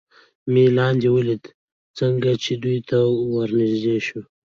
مې لاندې ولید، څنګه چې دوی ته ور نږدې شو.